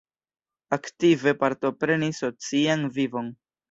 Aktive partoprenis socian vivon.